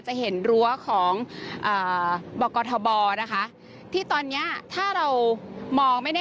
จะเห็นรั้วของอ่าบกทบนะคะที่ตอนเนี้ยถ้าเรามองไม่ได้